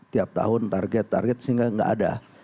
tiap tahun target target sehingga nggak ada